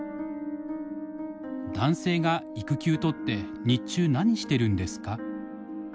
「男性が育休とって日中何してるんですか？」。